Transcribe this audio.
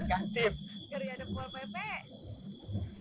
kalau mencar tidak takut gantip